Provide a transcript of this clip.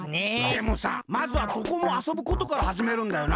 でもさまずはどこもあそぶことからはじめるんだよな。